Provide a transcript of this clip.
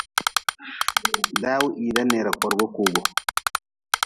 Daw hii daneera korgu kugun.